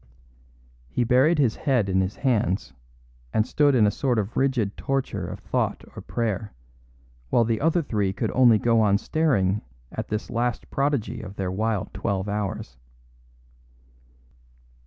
He buried his head in his hands, and stood in a sort of rigid torture of thought or prayer, while the other three could only go on staring at this last prodigy of their wild twelve hours.